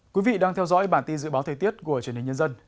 quý vị đang theo dõi bản tin dự báo thời tiết của truyền hình nhân dân